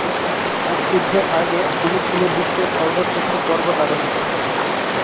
আর যুদ্ধের আগে, তুমি ছিলে বিশ্বের সর্বশ্রেষ্ঠ পর্বতারোহী।